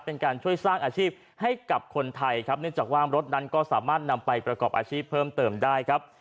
เป็นการช่วยสร้างอาชีพให้กับคนไทยครับเนื่องจากว่ารถนั้นก็สามารถนำไปประกอบอาชีพเพิ่มเติมได้ครับ